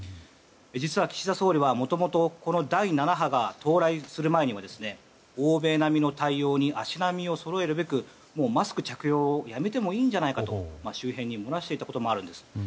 実は、岸田総理はもともとこの第７波が到来する前も欧米並みの対応に足並みをそろえるべくマスク着用をやめてもいいんじゃないかと周辺に漏らしていたこともあるんです。